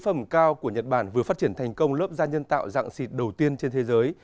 phẩm cao của nhật bản vừa phát triển thành công lớp da nhân tạo dạng xịt đầu tiên trên thế giới